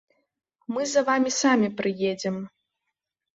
Мы за вамі самі прыедзем.